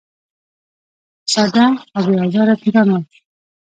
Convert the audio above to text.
ساده او بې آزاره پیران ول.